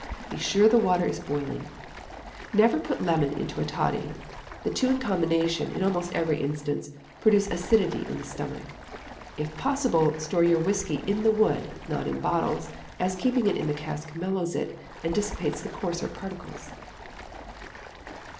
_Be sure the water is boiling. Never put lemon into toddy. The two in combination, in almost every instance, produce acidity in the stomach. If possible, store your whisky in the wood, not in bottles as keeping it in the cask mellows it, and dissipates the coarser particles.